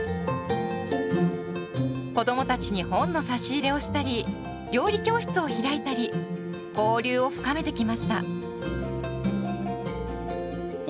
子どもたちに本の差し入れをしたり料理教室を開いたり交流を深めてきました。